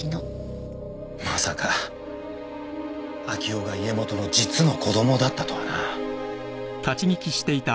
まさか明生が家元の実の子供だったとはな